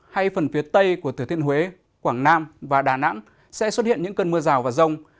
hay phần phía tây của thừa thiên huế quảng nam và đà nẵng sẽ xuất hiện những cơn mưa rào và rông